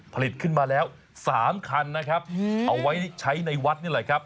ผลิตขึ้นมาแล้ว๓คันนะครับเอาไว้ใช้ในวัดนี่แหละครับ